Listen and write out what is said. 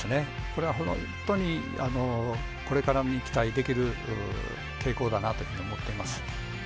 これは本当に、これからに期待できる傾向だなというふうに思っております。